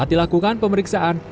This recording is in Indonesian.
saat dilakukan pemeriksaan